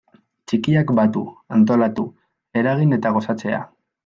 Txikiak batu, antolatu, eragin eta gozatzea.